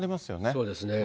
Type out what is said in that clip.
そうですね。